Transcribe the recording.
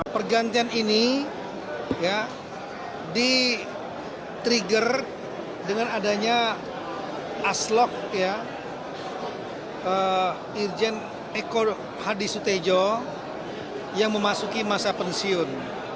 pergantian ini di trigger dengan adanya aslok irjen eko hadi sutejo yang memasuki masa pensiun